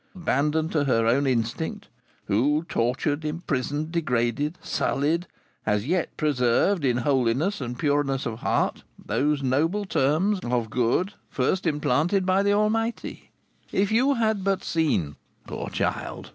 abandoned to her own instinct, who, tortured, imprisoned, degraded, sullied, has yet preserved, in holiness and pureness of heart, those noble germs of good first implanted by the Almighty? If you had but seen, poor child!